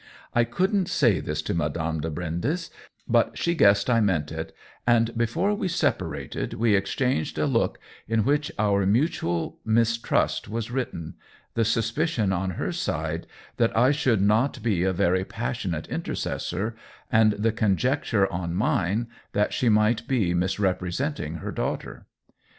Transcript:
I couldn't say this to Madame de Brindes; but she guessed I meant it, and before we sep arated we exchanged a look in which our mutual mistrust was written — the suspicion on her side that I should not be a very passionate intercessor and the conjecture on mine that she might be misrepresenting her daughter.